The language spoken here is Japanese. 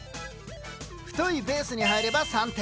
太いベースに入れば３点。